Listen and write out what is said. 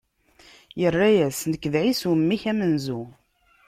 Irra-yas: Nekk, d Ɛisu, mmi-k amenzu.